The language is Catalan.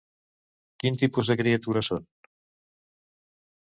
Quin tipus de criatura són?